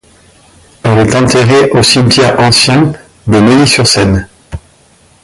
Elle est enterrée au cimetière ancien de Neuilly-sur-Seine.